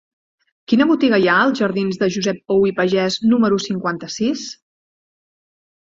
Quina botiga hi ha als jardins de Josep Pous i Pagès número cinquanta-sis?